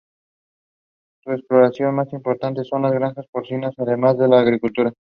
Su explotación más importante son las granjas porcinas, además de la agricultura.